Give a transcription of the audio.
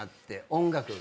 音楽が。